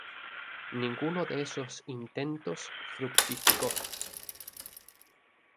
Ninguno de esos intentos fructificó.